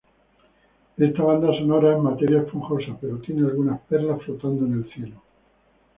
Esta banda sonora es materia esponjosa pero tiene algunas perlas flotando en el cieno.